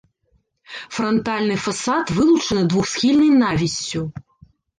Франтальны фасад вылучаны двухсхільнай навіссю.